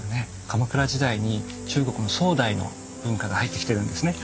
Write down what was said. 鎌倉時代に中国の宋代の文化が入ってきてるんですね。